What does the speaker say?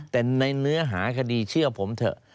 แต่ในเนื้อหาคดีเชื่อผมเถอะ